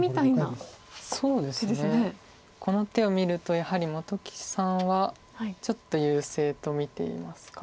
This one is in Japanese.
この手を見るとやはり本木さんはちょっと優勢と見ていますか。